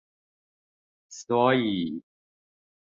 所以